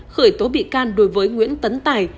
khởi tố bị can đối với nguyễn tấn tài